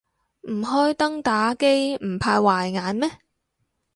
唔開燈打機唔怕壞眼咩